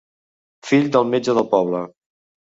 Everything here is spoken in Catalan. Fill del metge del poble.